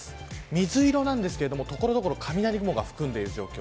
水色なんですけれども所々、雷雲含んでいる状況。